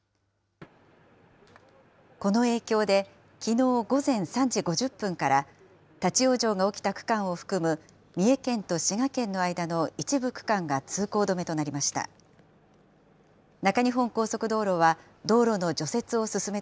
この影響で、きのう午前３時５０分から立往生が起きた区間を含む三重県と滋賀県の間の一部区間が通行止めとなりました。